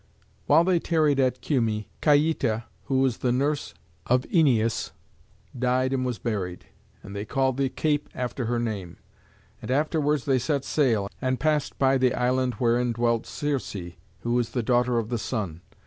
While they tarried at Cumæ, Caieta, who was the nurse of Æneas, died and was buried; and they called the cape after her name. And afterwards they set sail, and passed by the island wherein dwelt Circé, who is the daughter of the Sun.